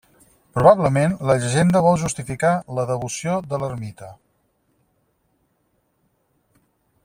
Probablement, la llegenda vol justificar la devoció de l'ermita.